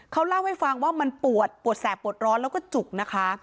เขาเล่าให้ฟังว่ามันปวดปวดแสบปวดร้อนแล้วก็จุกนะคะ